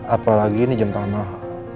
apalagi ini jam tangan mah